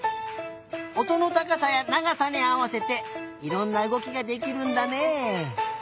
おとのたかさやながさにあわせていろんなうごきができるんだね。